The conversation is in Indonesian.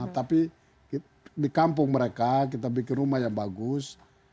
tapi di kampung mereka kita bikin rumah yang bagus